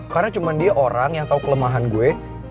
karena cuman dia orang yang tau kelemahan gue